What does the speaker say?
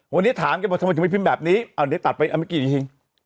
วันนี้ถามแกบอกทำไมถึงไม่พิมพ์แบบนี้เอาอันนี้ตัดไปเอาเมื่อกี้อีกที